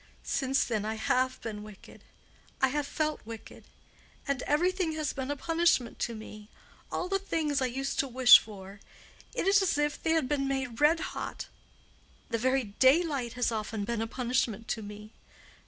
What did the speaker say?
Since then I have been wicked. I have felt wicked. And everything has been a punishment to me—all the things I used to wish for—it is as if they had been made red hot. The very daylight has often been a punishment to me.